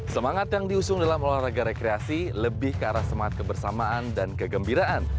semangat yang diusung dalam olahraga rekreasi lebih ke arah semangat kebersamaan dan kegembiraan